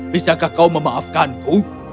bisakah kau memaafkanku